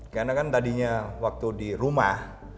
karena kan tadinya waktu di rumah